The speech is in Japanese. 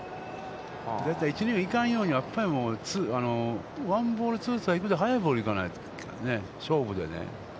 大体一・二塁行かんようにワンボールツーストライクで速いボール行かないと、勝負でね。